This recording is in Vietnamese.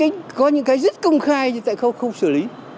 có những cái rất công khai thì phải không xử lý